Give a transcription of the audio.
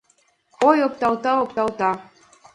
Ой, опталта, опталта.